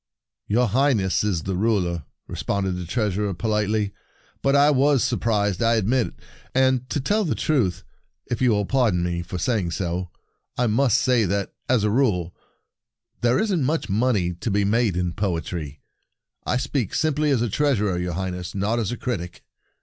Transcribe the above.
"Your Highness is the ruler," responded the Trea surer politely ;" but I was sur prised, I admit. And, to tell the truth, if you will pardon me for saying so, I must say that, as a rule, there isn't much No Money in Poetry Verses 6i money to be made in poetry. I speak simply as a treasurer, your Highness, not as a critic."